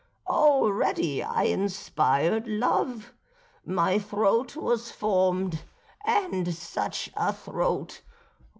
Already I inspired love. My throat was formed, and such a throat!